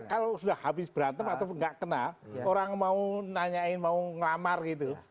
kalau sudah habis berantem atau nggak kena orang mau nanyain mau ngelamar gitu